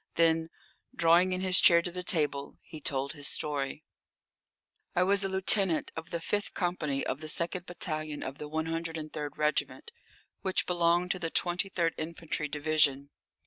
Then, drawing in his chair to the table, he told his story. I was a lieutenant of the fifth company of the second battalion of the 103rd Regiment, which belonged to the 23rd Infantry Division.